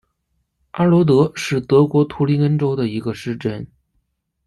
安罗德是德国图林根州的一个市镇。